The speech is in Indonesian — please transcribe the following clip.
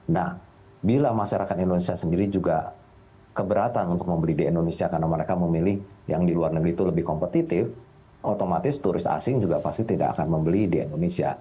nah bila masyarakat indonesia sendiri juga keberatan untuk membeli di indonesia karena mereka memilih yang di luar negeri itu lebih kompetitif otomatis turis asing juga pasti tidak akan membeli di indonesia